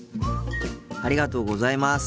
ありがとうございます。